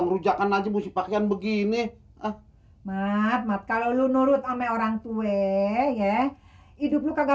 kerujakan aja musik pakaian begini ah matemat kalau lu nurut om orangtue ya hidup lu kagak